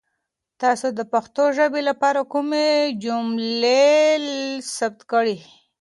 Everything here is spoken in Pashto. تاسو د پښتو ژبې لپاره کومې جملې ثبت کړي؟